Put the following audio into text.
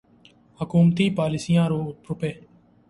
حکومتی پالیسیاں روپے